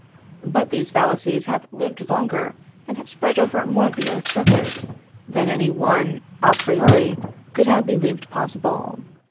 But these fallacies have lived longer and have spread over more of the earth's surface than any one a priori could have believed possible.